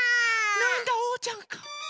なんだおうちゃんか。